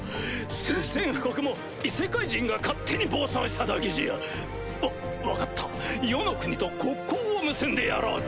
宣戦布告も異世界人が勝手に暴走しただけじゃ。わ分かった余の国と国交を結んでやろうぞ。